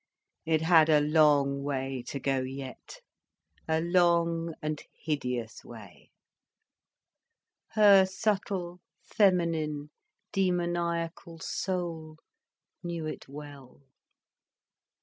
It had a long way to go yet, a long and hideous way. Her subtle, feminine, demoniacal soul knew it well.